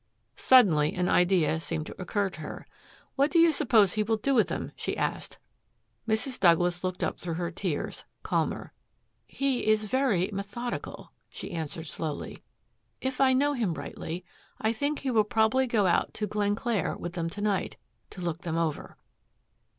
Suddenly an idea seemed to occur to her. "What do you suppose he will do with them?" she asked. Mrs. Douglas looked up through her tears, calmer. "He is very methodical," she answered slowly. "If I know him rightly, I think he will probably go out to Glenclair with them to night, to look them over."